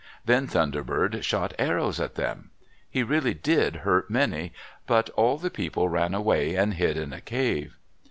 Then Thunder Bird shot arrows at them. He really did hurt many, but all the people ran away and hid in a cave.